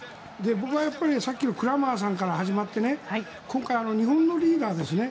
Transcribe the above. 僕は、さっきのクラマーさんから始まって今回、日本のリーダーですね。